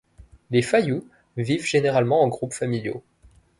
Les Fayu vivent généralement en groupes familiaux.